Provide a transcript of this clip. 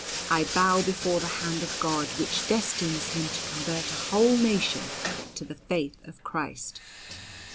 I bow before the Hand of God which destines him to convert a whole nation to the faith of Christ."